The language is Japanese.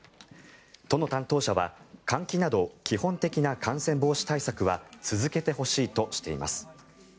都の担当者は換気など基本的な感染防止対策は続けてほしいとしています。